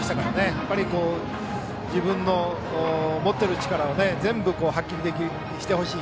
やっぱり、自分の持っている力を全部発揮してほしい。